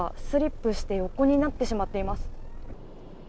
スリップして横になってしまっています。